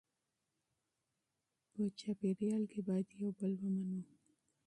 په ټولنه کې باید یو بل ومنو.